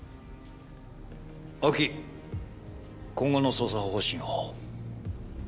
青木今後の捜査方針を。